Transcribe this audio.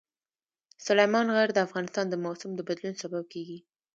سلیمان غر د افغانستان د موسم د بدلون سبب کېږي.